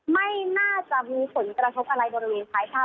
ไม่น่าจะมีผลกระทบอะไรบริเวณท้ายถ้ำ